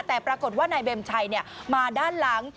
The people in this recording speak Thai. แต่ปรากฏว่านายเบมชัยมาด้านหลัง